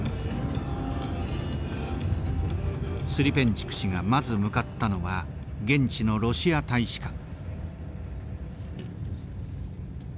スリペンチュク氏がまず向かったのは現地のロシア大使館。